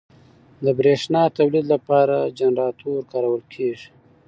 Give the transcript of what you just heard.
د برېښنا تولید لپاره جنراتور کارول کېږي.